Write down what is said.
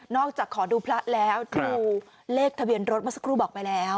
ขอดูพระแล้วดูเลขทะเบียนรถเมื่อสักครู่บอกไปแล้ว